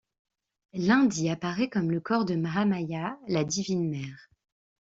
L'Inde y apparaît comme le corps de Mahamaya, la divine mère.